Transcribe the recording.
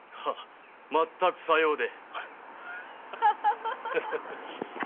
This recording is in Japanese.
まったくさようで。